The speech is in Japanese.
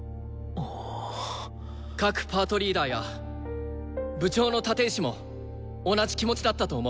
各パートリーダーや部長の立石も同じ気持ちだったと思う。